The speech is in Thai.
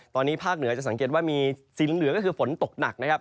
ตอนนี้ภาคเหนือจะสังเกตว่ามีสีเหลืองก็คือฝนตกหนักนะครับ